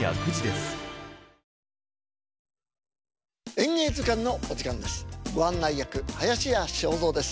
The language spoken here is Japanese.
「演芸図鑑」のお時間です。